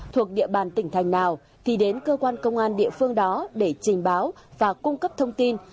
thuộc địa bàn tỉnh thành nào thì đến cơ quan công an địa phương đó để trình báo và cung cấp thông tin